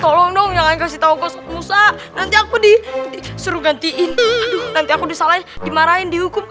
tolong dong jangan kasih tau ke musa nanti aku disuruh gantiin nanti aku disalahin dimarahin dihukum